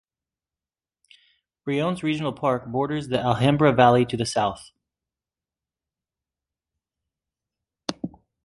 Briones Regional Park borders the Alhambra Valley to the south.